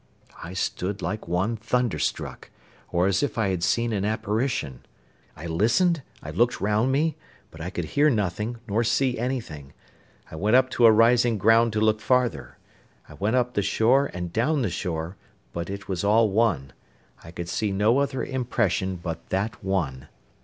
I stood like one thunderstruck, or as if I had seen an apparition. I listened, I looked round me, but I could hear nothing, nor see anything; I went up to a rising ground to look farther; I went up the shore and down the shore, but it was all one; I could see no other impression but that one.